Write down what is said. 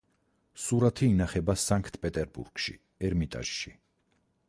სურათი ინახება სანქტ-პეტერბურგში, ერმიტაჟში.